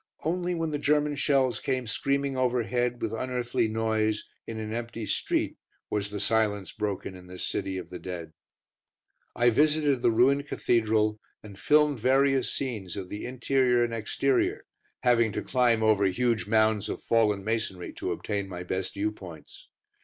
Only when the German shells came screaming overhead with unearthly noise, in an empty street, was the silence broken in this city of the dead. I visited the ruined Cathedral, and filmed various scenes of the interior and exterior, having to climb over huge mounds of fallen masonry to obtain my best view points.